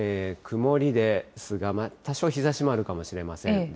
曇りですが、多少日ざしもあるかもしれません。